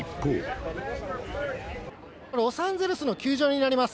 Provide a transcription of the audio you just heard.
ロサンゼルスの球場になります。